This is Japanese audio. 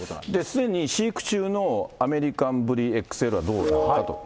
すでに飼育中のアメリカンブリーＸＬはどうなのかと。